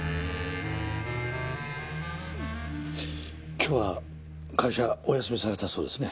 今日は会社お休みされたそうですね。